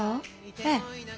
ええ。